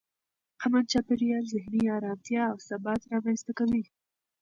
امن چاپېریال ذهني ارامتیا او ثبات رامنځته کوي.